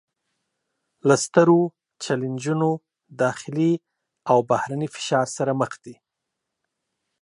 له سترو چلینجونو داخلي او بهرني فشار سره مخ دي